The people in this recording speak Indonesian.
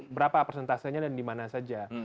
berapa persentasenya dan di mana saja